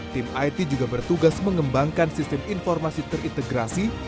tim it juga bertugas mengembangkan sistem informasi terintegrasi